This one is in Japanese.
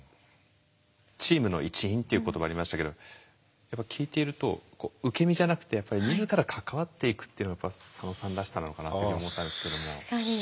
チームの一員っていう言葉ありましたけど聞いていると受け身じゃなくて自ら関わっていくっていうのが佐野さんらしさなのかなっていうふうに思ったんですけども。